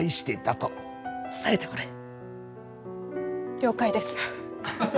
了解です。